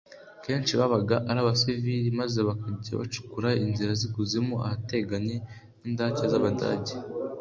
kenshi babaga ari abasivili maze bakajya bacukura inzira z’ikuzimu ahateganye n’indake z’Abadage